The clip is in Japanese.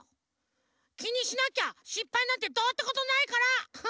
きにしなきゃしっぱいなんてどうってことないから！